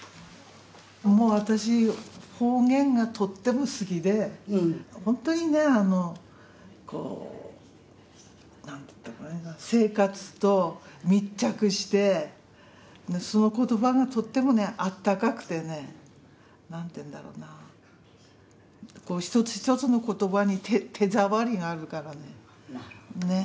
もう私方言がとっても好きで本当にねこう何とも言えない生活と密着してその言葉がとってもね温かくてね何て言うんだろうな一つ一つの言葉に手触りがあるからね。